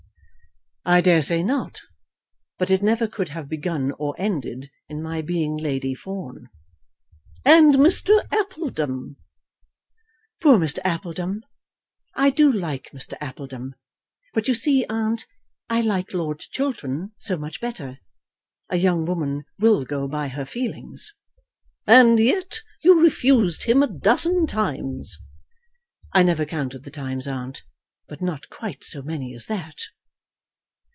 "I daresay not; but it never could have begun or ended in my being Lady Fawn." "And Mr. Appledom!" "Poor Mr. Appledom. I do like Mr. Appledom. But, you see, aunt, I like Lord Chiltern so much better. A young woman will go by her feelings." "And yet you refused him a dozen times." "I never counted the times, aunt; but not quite so many as that."